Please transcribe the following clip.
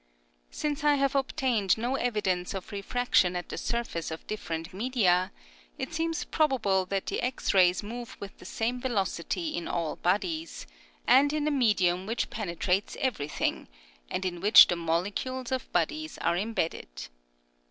Since I have obtained no evidence of re fraction at the surface of different media, it seems probable that the X rays move with the same velocity in all bodies, and in a medium which penetrates everything, and in which the molecules of bodies are em bedded.